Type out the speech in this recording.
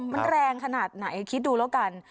มันแรงขนาดไหนคิดดูแล้วกัน